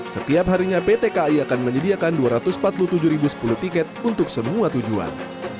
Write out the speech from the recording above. setiap harinya pt kai akan menyediakan dua ratus empat puluh tujuh sepuluh tiket untuk semua tujuan